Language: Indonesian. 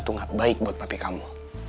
kalau adriana tuh gak baik buat papi kamu